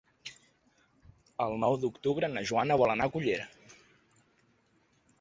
El nou d'octubre na Joana vol anar a Cullera.